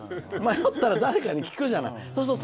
迷ったら誰かに聞くじゃない。